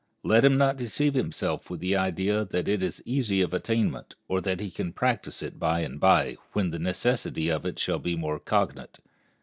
Let him not deceive himself with the idea that it is easy of attainment, or that he can practice it by and by, when the necessity of it shall be more cogent.